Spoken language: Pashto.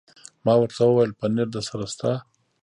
ما ورته وویل: پنیر درسره شته؟